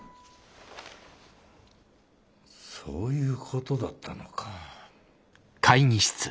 そういうことだったのか。